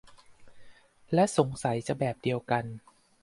และสงสัยแบบเดียวกัน